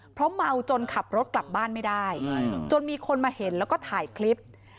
เพราะเมาจนขับรถกลับบ้านไม่ได้จนมีคนมาเห็นแล้วก็ถ่ายคลิป